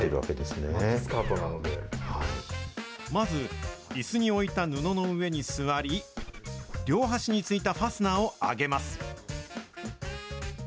まず、いすに置いた布の上に座り、両端についたファスナーを上げます。